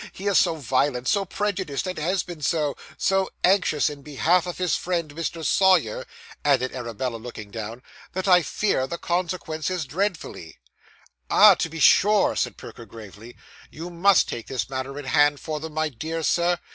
He is so violent, so prejudiced, and has been so so anxious in behalf of his friend, Mr. Sawyer,' added Arabella, looking down, 'that I fear the consequences dreadfully.' 'Ah, to be sure,' said Perker gravely. 'You must take this matter in hand for them, my dear sir.